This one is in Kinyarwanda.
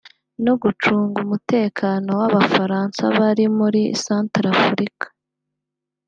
no gucunga umutekano w’Abafaransa bari muri Centrafrique